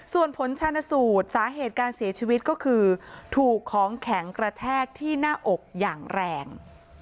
ส่วนผลชาญสูตรสาเหตุการเสียชีวิตก็คือถูกของแข็งกระแทกที่หน้าอกอย่างแรง